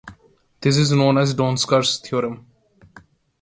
This is known as Donsker's theorem.